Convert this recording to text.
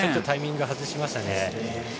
タイミング外しましたね。